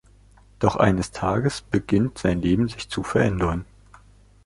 Doch eines Tages beginnt sein Leben sich zu verändern.